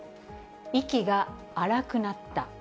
息が荒くなった。